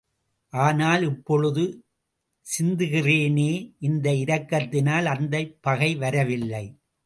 ஆனால், இப்பொழுது சிந்துகிறேனே இந்த இரத்தத்தினால் அந்தப் பகை வரவில்லை.